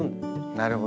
なるほどね。